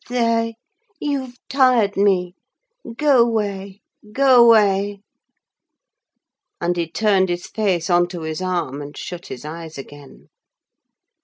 There! you've tired me—go away, go away!" And he turned his face on to his arm, and shut his eyes again.